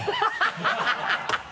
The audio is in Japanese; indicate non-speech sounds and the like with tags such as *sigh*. ハハハ *laughs*